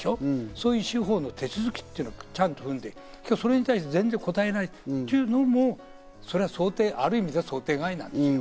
そういう司法の手続きというのをちゃんと踏んで、それに対して応えないというのもある意味では想定外なんですよ。